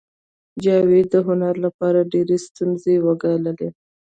جاوید د هنر لپاره ډېرې ستونزې وګاللې